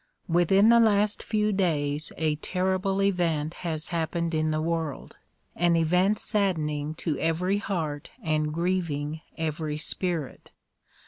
Within the last few days a terrible event has happened in the world ; an event saddening to every heart and grieving every spirit.